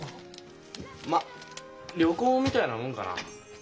まっ旅行みたいなもんかな。